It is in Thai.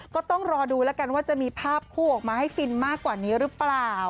ก็ต้องรอดูแล้วกันว่าจะมีภาพคู่ออกมาให้ฟินมากกว่านี้หรือเปล่า